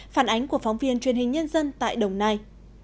phản ánh của phóng viên truyền hình nhân dân tại đồng nai